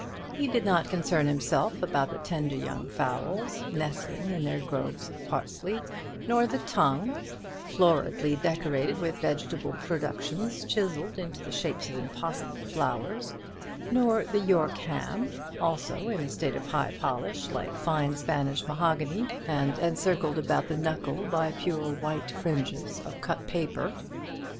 He did not concern himself about the tender young fowls, nestling in groves of parsley; nor the tongue, floridly decorated with vegetable productions chiselled into the shapes of impossible flowers; nor the York ham, also in a high state of polish, like fine Spanish mahogany, and encircled about the knuckle by pure white fringes of cut paper.